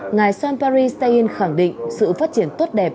ngài jean pierre steyn khẳng định sự phát triển tốt đẹp